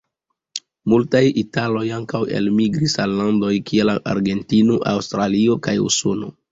Multaj italoj ankaŭ elmigris al landoj kiel Argentino, Aŭstralio kaj Usono.